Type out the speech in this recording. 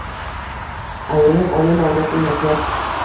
Ayolim oliy ma’lumotli matematik.